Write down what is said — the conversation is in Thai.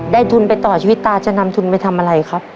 ทุนไปต่อชีวิตตาจะนำทุนไปทำอะไรครับ